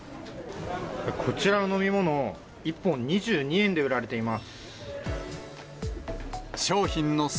こちらの飲み物、１本２２円で売られています。